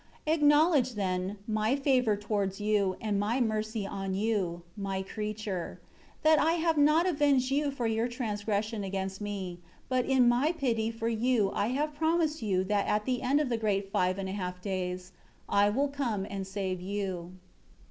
7 Acknowledge, then, My favor towards you, and My mercy on you, My creature; that I have not avenged you for your transgression against Me, but in My pity for you I have promised you that at the end of the great five and a half days I will come and save you."